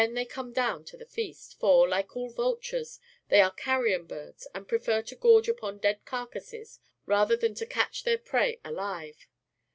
They then come do^\ n to the feast, for, Hke all ^1lltlu•es, thej' are carrion birds and prefer to gor ge upon dead carcasses rather than to catch their prey alive.